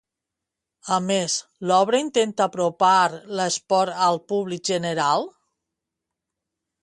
A més, l'obra intenta apropar l'esport al públic general?